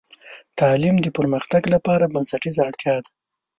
تعلیم د پرمختګ لپاره بنسټیزه اړتیا ده.